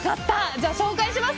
じゃあ紹介します。